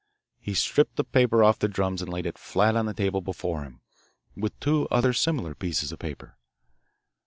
He stripped the paper off the drums and laid it flat on the table before him, with two other similar pieces of paper.